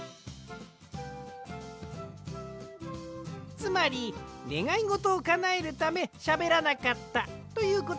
つまりねがいごとをかなえるためしゃべらなかったということですね？